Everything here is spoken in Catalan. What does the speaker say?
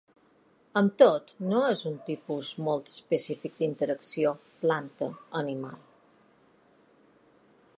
Amb tot, no és un tipus molt específic d'interacció planta-animal.